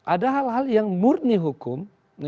ada hal hal yang murni hukum